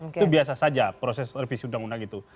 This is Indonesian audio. itu biasa saja proses revisi undang undang itu